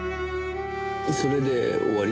それで終わり？